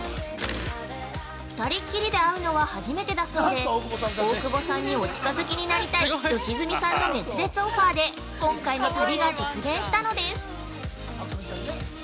２人っきりで会うのは初めてだそうで、大久保さんにお近づきになりたい吉住さんの熱烈オファーで今回の旅が実現したのです。